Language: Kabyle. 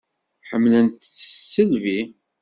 Ḥemmlent-tt s tisselbi.